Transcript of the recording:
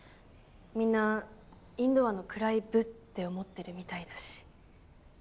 みんなインドアの暗い部って思ってるみたいだし。